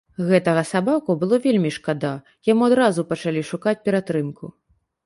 Гэтага сабаку было вельмі шкада, яму адразу пачалі шукаць ператрымку.